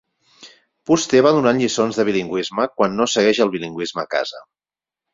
Vostè va donant lliçons de bilingüisme quan no segueix el bilingüisme a casa.